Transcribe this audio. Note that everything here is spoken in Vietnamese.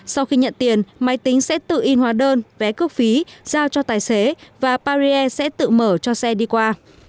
sau khi nhận tiền máy tính sẽ tự in hóa đơn vé cước phí giao cho tài xế và paris sẽ tự mở cho xe đi qua